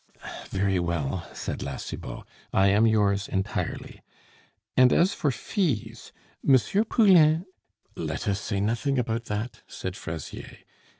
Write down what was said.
"Very well," said La Cibot, "I am yours entirely; and as for fees, M. Poulain " "Let us say nothing about that," said Fraisier.